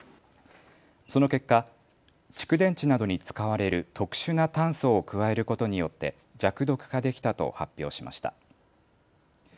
その結果、蓄電池などに使われる特殊な炭素を加えることによって弱毒化できたと発表しました。